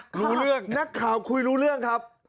รู้เรื่องนักข่าวคุยรู้เรื่องครับ